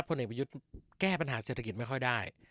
เอกประยุทธ์แก้ปัญหาเศรษฐกิจไม่ค่อยได้